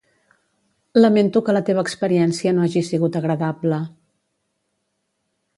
Lamento que la teva experiència no hagi sigut agradable.